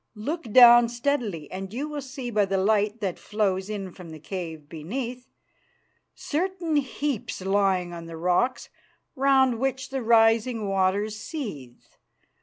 Look down steadily, and you will see by the light that flows in from the cave beneath, certain heaps lying on the rocks round which the rising waters seethe.